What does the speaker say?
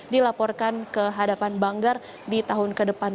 dilaporkan ke hadapan banggar di tahun ke depan